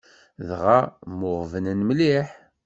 Dɣa mmuɣebnen mliḥ.